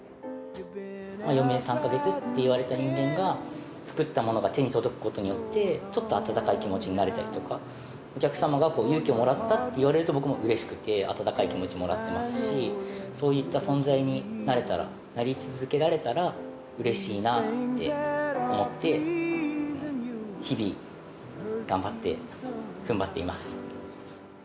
余命３か月っていわれた人間が作ったものが手に届くことによって、ちょっと温かい気持ちになれたりとか、お客様が勇気をもらったって言われると、僕もうれしくて、温かい気持ちもらってますし、そういった存在になれたら、なり続けられたらうれしいなって思って、日々、頑張って、ふんばっています。